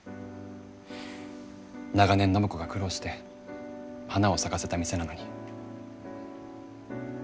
長年暢子が苦労して花を咲かせた店なのに。